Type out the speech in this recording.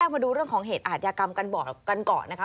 มาดูเรื่องของเหตุอาทยากรรมกันก่อนนะคะ